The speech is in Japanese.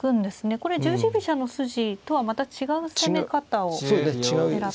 これ十字飛車の筋とはまた違う攻め方を狙っているんですね。